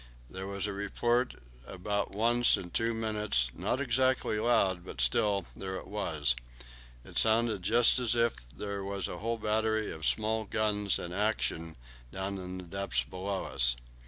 There was a report about once in two minutes, not exactly loud, but still, there it was. It sounded just as if there was a whole battery of small guns in action down in the depths below us.